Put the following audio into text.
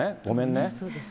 ごめんね。